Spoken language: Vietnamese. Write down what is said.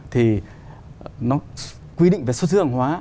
thì nó quy định về xuất xứ hàng hóa